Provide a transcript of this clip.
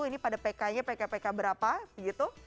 ini pada pk nya pk pk berapa gitu